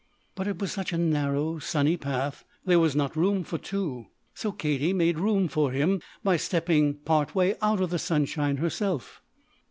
But it was such a narrow sunny path; there was not room for two. So Katie made room for him by stepping part way out of the sunshine herself.